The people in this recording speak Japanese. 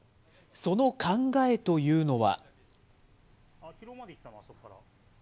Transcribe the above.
その考えというのは。